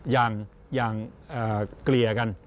อย่างเกลี่ยกัน